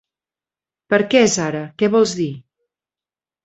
Per què, Zahra, què vols dir?